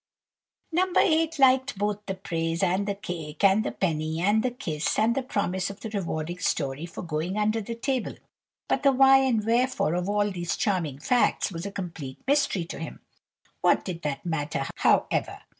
No. 8 liked both the praise, and the cake, and the penny, and the kiss, and the promise of the rewarding story for going under the table; but the why and wherefore of all these charming facts, was a complete mystery to him. What did that matter, however?